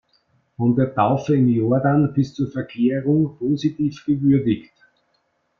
Von der Taufe im Jordan bis zur Verklärung" positiv gewürdigt.